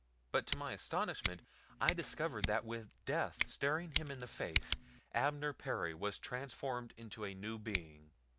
But to my astonishment I discovered that with death staring him in the face Abner Perry was transformed into a new being.